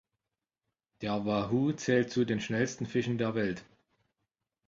Der Wahoo zählt zu den schnellsten Fischen der Welt.